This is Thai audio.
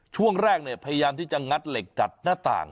ช่วงแรกพยายามที่จะงัดเหล็กกัดหน้าต่าง